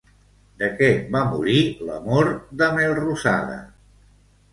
De què va morir l'amor de Melrosada?